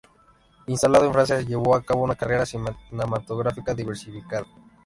Instalado en Francia, llevó a cabo una carrera cinematográfica diversificada.